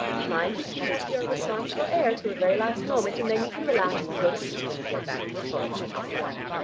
Mind you keep up your responsible air till the very last moment, and then you can relax and go to sleep when you get back to the Foreign Office.